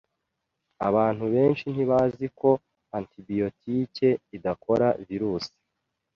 Abantu benshi ntibazi ko antibiyotike idakora virusi.